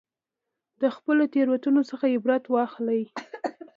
د خپلو تېروتنو څخه عبرت واخلئ.